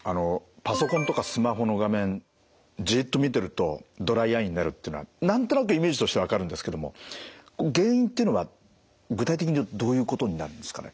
パソコンとかスマホの画面じっと見てるとドライアイになるってのは何となくイメージとして分かるんですけども原因っていうのは具体的にはどういうことになるんですかね。